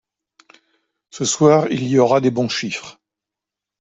Ce soir, il y aura des bons chiffres